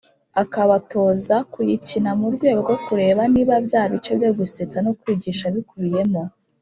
akabatoza kuyikina murwego rwo kureba niba bya bice byo gusetsa no kwigisha bikubiyemo.